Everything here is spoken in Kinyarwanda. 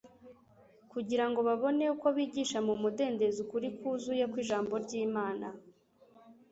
kugira ngo babone uko bigisha mu mudendezo ukuri kuzuye kw'Ijambo ry'Imana.